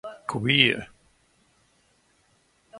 Queer.